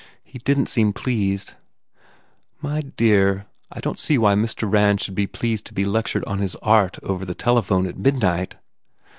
He didn t seem pleased." "My dear, I don t see why Mr. Rand should be pleased to be lectured on his art over the tele phone at midnight